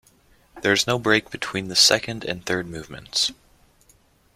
There is no break between the second and third movements.